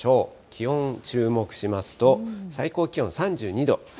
気温、注目しますと、最高気温３２度。